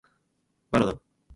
Banana